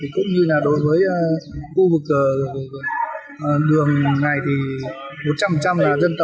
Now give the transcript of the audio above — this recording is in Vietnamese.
cũng như là đối với khu vực đường này thì một trăm linh là dân tộc thủy số đã được đầu tư